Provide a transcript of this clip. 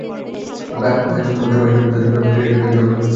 প্রায় দেড় মাস আগে তাদের সঙ্গে তার ক্রিকেট খেলা নিয়ে ঝগড়া হয়েছিল।